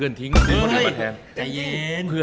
เฮ้อแต่เย็น